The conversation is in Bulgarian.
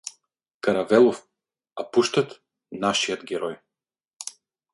Каравелов, а пущът — нашият херой.